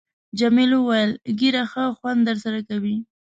جميلې وويل:، ږیره ښه خوند در سره کوي.